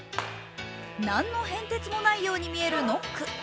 何の変哲もないように見えるノック。